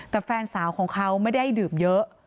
แต่แฟนสาวของเขาไม่ได้ดื่มเยอะ